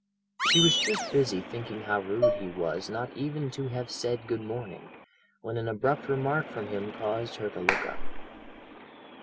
She was just busy thinking how rude he was not even to have said "Good morning," when an abrupt remark from him caused her to look up.